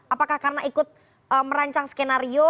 apakah karena ikut merancang skenario